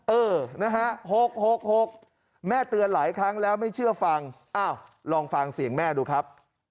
เออนะฮะ๖๖๖แม่เตือนหลายครั้งแล้วไม่เชื่อฟังอ้าวลองฟังเสียงแม่ดูครับ